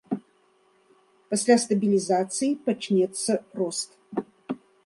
Пасля стабілізацыі пачнецца рост.